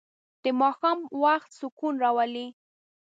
د ماښام وخت سکون راولي.